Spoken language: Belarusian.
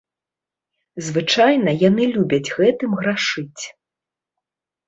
Звычайна яны любяць гэтым грашыць.